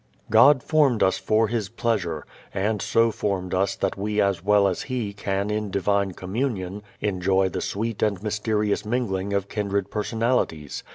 God formed us for His pleasure, and so formed us that we as well as He can in divine communion enjoy the sweet and mysterious mingling of kindred personalities.